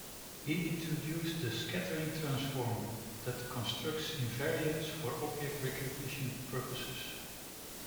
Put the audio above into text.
He introduced the scattering transform that constructs invariance for object recognition purposes.